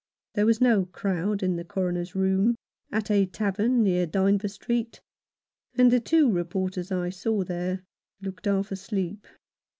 There was no crowd in the Coroner's room — at a tavern near Dynevor Street — and the two reporters I saw there looked half asleep.